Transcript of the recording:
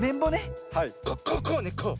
こうこうねこう。